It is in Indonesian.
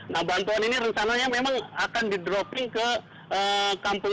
nah bantuan ini rencananya memang akan didropping ke kkb